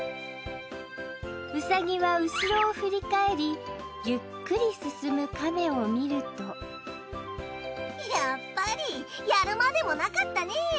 うさぎは後ろを振り返りゆっくり進むかめを見るとやっぱりやるまでもなかったねぇ。